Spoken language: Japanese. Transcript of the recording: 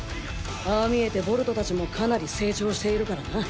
ああ見えてボルトたちもかなり成長しているからな。